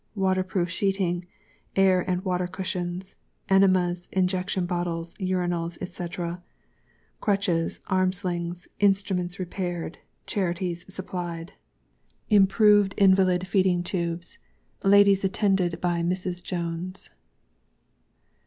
Waterproof Sheeting_. Air and Water Cushions. Enemas, Injection Bottles, Urinals, &c. Crutches, Armslings. Instruments Repaired. Charities supplied. IMPROVED INVALID FEEDING TUBES. Ladies attended by Mrs. Jones.